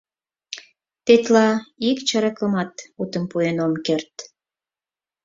Тетла ик чырыкымат утым пуэн ом керт.